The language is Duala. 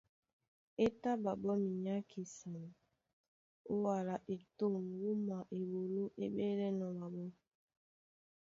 É tá ɓaɓɔ́ minyákisan ó wala etûm wúma eɓoló é ɓélɛ́nɔ̄ ɓaɓɔ́.